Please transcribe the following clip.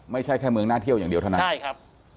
ไม่ใช่แค่เมืองน่าเที่ยวอย่างเดียวเท่านั้นใช่ครับ